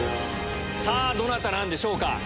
さぁどなたなんでしょうか？